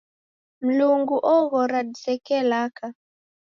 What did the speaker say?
Mlungu oghora diseke laka